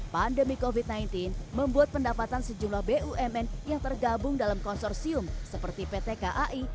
pandemi covid sembilan belas membuat pendapatan sejumlah bumn yang tergabung dalam konsorsium seperti pt kai